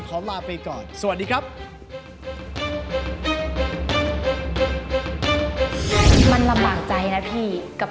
ขอลาไปก่อนสวัสดีครับ